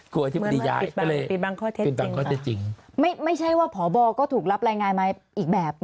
กลัวอธิบดีย้ายก็เลยเป็นบางข้อเท็จจริงเป็นบางข้อเท็จจริงไม่ไม่ใช่ว่าผอบอก็ถูกรับรายงานมาอีกแบบ